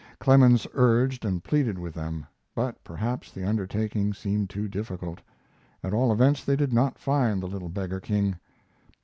Clemens urged and pleaded with them, but perhaps the undertaking seemed too difficult at all events they did not find the little beggar king.